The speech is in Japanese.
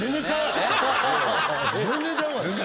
全然ちゃうがな。